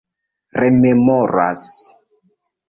rememoras